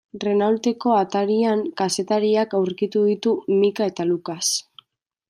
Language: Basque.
Renaulteko atarian kazetariak aurkitu ditu Micka eta Lucas.